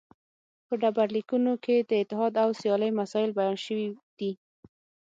په ډبرلیکونو کې د اتحاد او سیالۍ مسایل بیان شوي دي